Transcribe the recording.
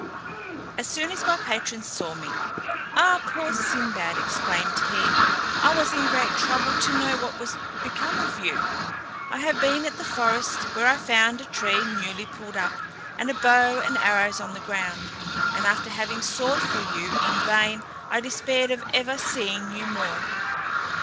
As soon as my patron saw me; "Ah, poor Sinbad," exclaimed he, "I was in great trouble to know what was become of you. I have been at the forest, where I found a tree newly pulled up, and a bow and arrows on the ground, and after having sought for you in vain, I despaired of ever, seeing you more.